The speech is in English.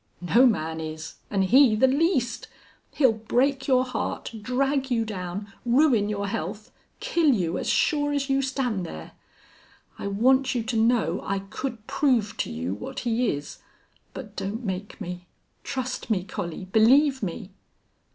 No man is and he the least. He'll break your heart, drag you down, ruin your health kill you, as sure as you stand there. I want you to know I could prove to you what he is. But don't make me. Trust me, Collie. Believe me."